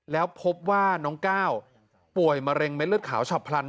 แล้วพบว่าน้องก้าวป่วยมาเร็งละเบียดขาวชาวพรรณ